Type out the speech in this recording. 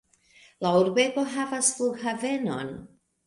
La urbego havas flughavenon.